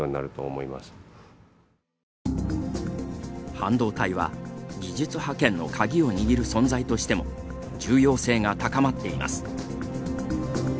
半導体は、技術覇権の鍵を握る存在としても重要性が高まっています。